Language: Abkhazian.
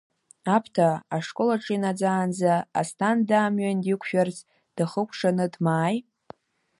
Аԥҭа, ашкол аҿы инаӡаанӡа, Асҭанда амҩан диқәшәарц, дахыкәшаны дмааи.